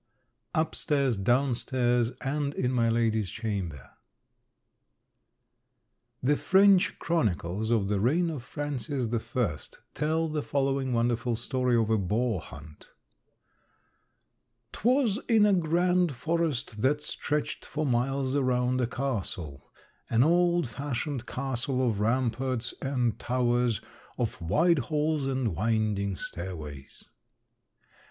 "Upstairs, downstairs, And in my lady's chamber," The French chronicles of the reign of Francis I. tell the following wonderful story of a boar hunt: "'Twas in a grand forest that stretched for miles around a castle an old fashioned castle of ramparts and towers, of wide halls and winding stairways.